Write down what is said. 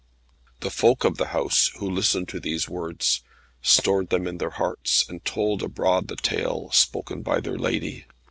The folk of the house, who listened to these words, stored them in their hearts, and told abroad the tale, spoken by their lady.